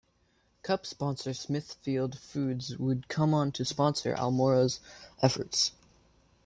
Cup sponsor Smithfield Foods would come on to sponsor Almirola's efforts.